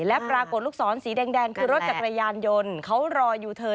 และปรากฏลูกศรสีแดงคือรถจักรยานยนต์